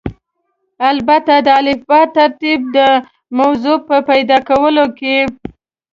البته د الفبا ترتیب د موضوع په پیدا کولو کې.